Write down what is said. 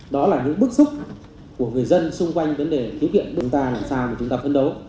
đó là những bức xúc của người dân xung quanh vấn đề thiếu kiện của chúng ta làm sao chúng ta phân đấu